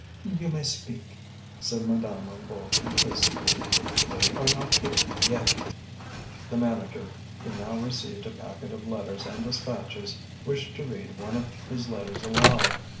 "You may speak," said Madame Hennebeau complacently. "They are not here yet." The manager, who now received a packet of letters and dispatches, wished to read one of his letters aloud.